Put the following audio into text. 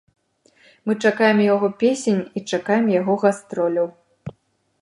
Мы чакаем яго песень, і чакаем яго гастроляў.